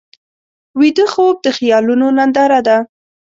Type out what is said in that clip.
ویده خوب د خیالونو ننداره ده